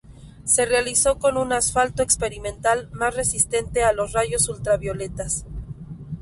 Se realizó con un asfalto experimental más resistente a los rayos ultravioletas.